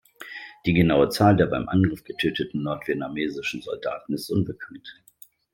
Die genaue Zahl der beim Angriff getöteten nordvietnamesischen Soldaten ist unbekannt.